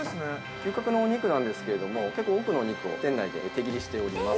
◆牛角のお肉なんですけれども、結構多くのお肉を店内で手切りしております。